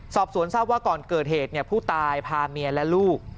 สอบสวนทราบว่าก่อนเกิดเหตุผู้ตายพาเมียและลูก